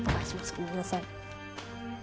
ごめんなさい。